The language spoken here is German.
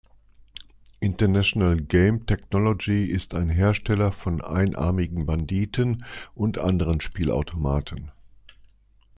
International Game Technology ist ein Hersteller von Einarmigen Banditen und anderen Spielautomaten.